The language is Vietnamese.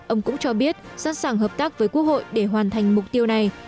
ông cũng cho biết sẵn sàng hợp tác với quốc hội để hoàn thành mục tiêu này